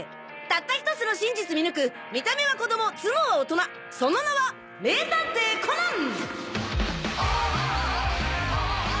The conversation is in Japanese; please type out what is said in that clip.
たった１つの真実見抜く見た目は子供頭脳は大人その名は名探偵コナン！